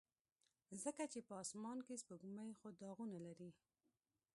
ځکه چې په اسمان کې سپوږمۍ خو داغونه لري.